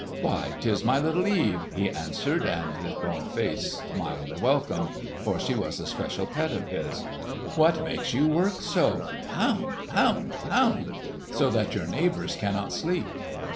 "Why, 'tis my little Eve!" he exclaimed, his broad face smiling a welcome; for she was a special pet of his. "What makes you work so—pound, pound, pound!—so that your neighbours cannot sleep?"